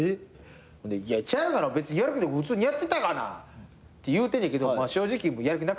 いやちゃうがな別に普通にやってたがなって言うてんねんけど正直やる気なかった。